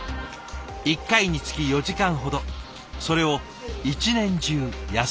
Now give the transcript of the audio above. １回につき４時間ほどそれを一年中休みなく。